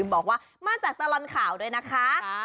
บอกว่ามาจากตลอดข่าวด้วยนะคะ